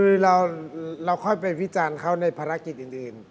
คือเราค่อยไปวิจารณ์เขาในภารกิจอื่น